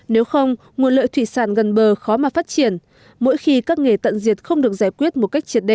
nếu không nguồn lợi thủy sản gần bờ khó mà phát triển mỗi khi các nghề tận diệt không được giải quyết một cách triệt đề